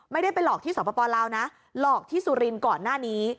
ไม่ได้ไปหลอกที่สปลาวนะหลอกที่สุรินทร์ก่อนหน้านี้